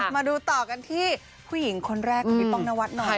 มาดูต่อกันที่ผู้หญิงคนแรกของพี่ป้องนวัดหน่อย